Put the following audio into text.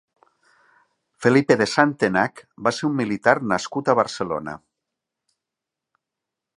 Felipe de Santenach va ser un militar nascut a Barcelona.